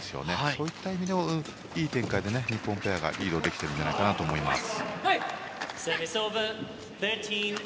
そういった意味ではいい展開で日本ペアがリードできているんじゃないかなと思います。